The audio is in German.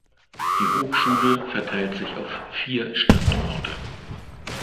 Die Hochschule verteilt sich auf vier Standorte.